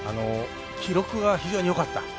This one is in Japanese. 記録が非常によかった。